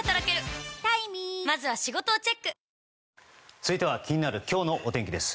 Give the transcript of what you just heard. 続いては気になる今日のお天気です。